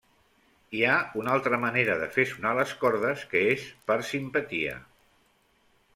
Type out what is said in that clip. Hi ha una altra manera de fer sonar les cordes que és per simpatia.